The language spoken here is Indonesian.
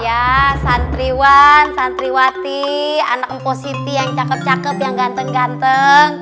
ya santriwan santriwati anak mpositi yang cakep cakep yang ganteng ganteng